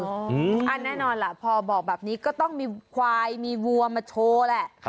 แน่นอนล่ะพอบอกแบบนี้ก็ต้องมีควายมีวัวมาโชว์แหละ